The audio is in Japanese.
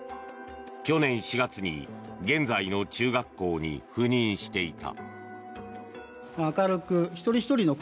去年４月に現在の中学校に赴任していた。